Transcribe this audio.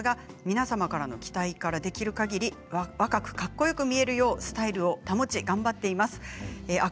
還暦ライダーではありますが皆様からの期待からできるかぎり若くかっこよく見えるようスタイルを保ち頑張っています。